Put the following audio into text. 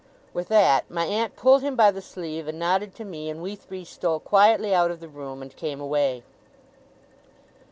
With that, my aunt pulled him by the sleeve, and nodded to me; and we three stole quietly out of the room, and came away.